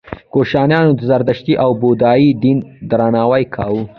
کوشانیانو د زردشتي او بودايي دین درناوی کاوه